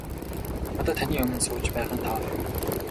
Одоо таны өмнө сууж байгаа нь Тоорой.